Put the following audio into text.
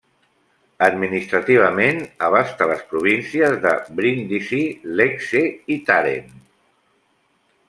Administrativament abasta les províncies de Bríndisi, Lecce i Tàrent.